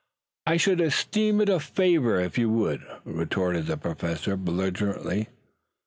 "I should esteem it a favor if you would," retorted the Professor belligerently.